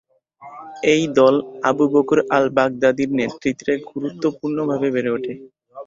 এই দল Abu Bakr আল-বাগদাদীর নেতৃত্বে গুরুত্বপূর্ণভাবে বেড়ে উঠে।